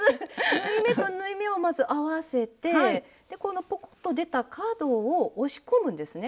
縫い目と縫い目をまず合わせてこのポコッと出た角を押し込むんですね。